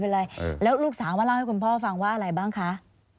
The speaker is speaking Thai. แล้วลูกสาวมาให้คุณพ่อฟังว่าอะไรบ้างคะ